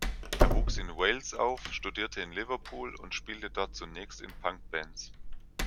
Er wuchs in Wales auf, studierte in Liverpool und spielte dort zunächst in Punkbands.